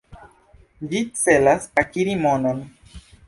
Ĝi celas akiri monon.